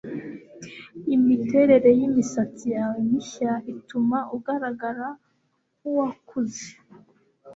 Imiterere yimisatsi yawe mishya ituma ugaragara nkuwakuze